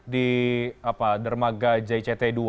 di dermaga jct ii